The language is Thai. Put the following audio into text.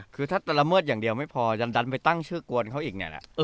คือถ้าละเมิดอย่างเดียวไม่พอจะดันไปตั้งชื่อกวนเขาอีกเนี่ยแหละ